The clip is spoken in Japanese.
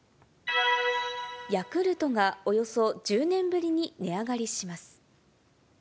ヤクルトがおよそ１０年ぶりに値上がりします。